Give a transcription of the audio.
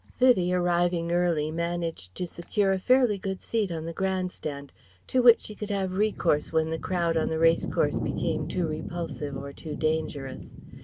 Vivie arriving early managed to secure a fairly good seat on the Grand Stand, to which she could have recourse when the crowd on the race course became too repulsive or too dangerous.